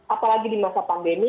apalagi di masa pandemi